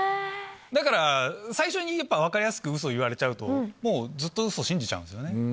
だから、最初にやっぱ分かりやすくうそ言われちゃうと、もう、ずっとうそ信じちゃうんですよね。